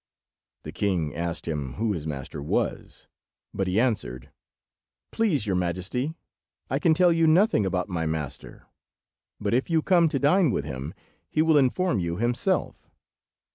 The king asked him who his master was, but he answered— "Please your majesty, I can tell you nothing about my master, but if you come to dine with him he will inform you himself."